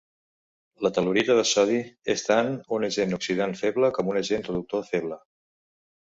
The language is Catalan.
La tel·lurita de sodi és tant un agent oxidant feble com un agent reductor feble.